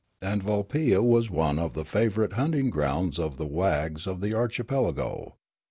And Vulpia was one of the favourite hunting grounds of the wags of the archipelago.